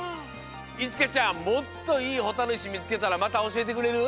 いちかちゃんもっといいほたるいしみつけたらまたおしえてくれる？